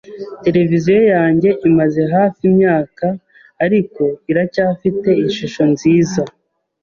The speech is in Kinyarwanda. Televiziyo yanjye imaze hafi imyaka , ariko iracyafite ishusho nziza.